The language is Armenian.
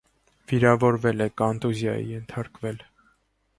Վիրավորվել է, կոնտուզիայի ենթարկվել։